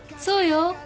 そうよ。